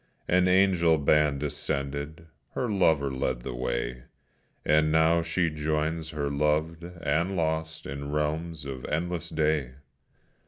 An angel band descended, her lover led the way, And now she joins her loved and lost in realms of endless day!